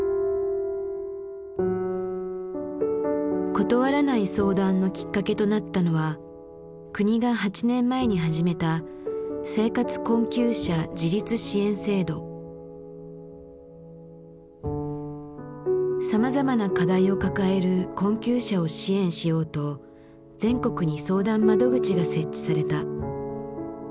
「断らない相談」のきっかけとなったのは国が８年前に始めたさまざまな課題を抱える困窮者を支援しようと全国に相談窓口が設置された。